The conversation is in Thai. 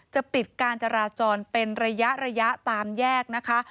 จะปิดการจราจรเป็นระยะตามแยกนะคะ